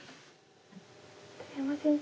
鶴山先生